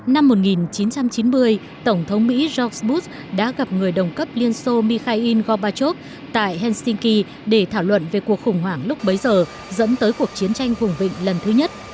năm một nghìn chín trăm chín mươi tổng thống mỹ jok bus đã gặp người đồng cấp liên xô mikhail gobachov tại helsinki để thảo luận về cuộc khủng hoảng lúc bấy giờ dẫn tới cuộc chiến tranh vùng vịnh lần thứ nhất